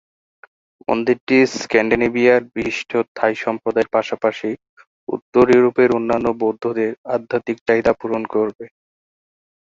মন্দিরটি স্ক্যান্ডিনেভিয়ার বিশিষ্ট থাই সম্প্রদায়ের পাশাপাশি উত্তর ইউরোপের অন্যান্য বৌদ্ধদের আধ্যাত্মিক চাহিদা পূরণ করবে।